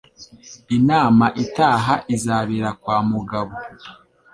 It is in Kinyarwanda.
Inama itaha izabera kwa Mugabo.